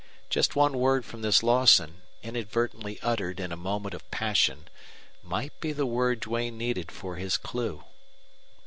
Just one word from this Lawson, inadvertently uttered in a moment of passion, might be the word Duane needed for his clue.